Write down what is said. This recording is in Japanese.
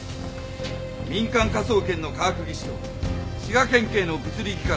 民間科捜研の化学技師と滋賀県警の物理技官です。